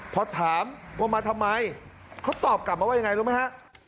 พอถามว่ามาทำไมเขาตอบกลับมาว่ายังไงรู้ไหมฮะ